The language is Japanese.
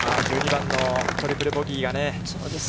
１２番のトリプル・ボギーがね。